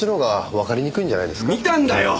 見たんだよ！